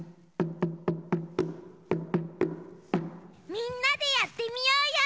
みんなでやってみようよ！